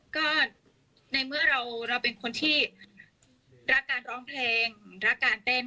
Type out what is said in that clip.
ก็ในเมื่อเราเป็นคนที่รักการร้องเพลงรักการเต้น